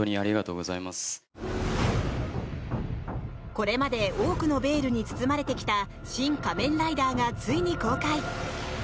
これまで多くのベールに包まれてきた「シン・仮面ライダー」がついに公開。